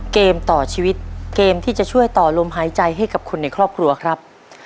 เกมต่อชีวิตเกมที่จะช่วยต่อลมหายใจให้กับคนในครอบครัวครับ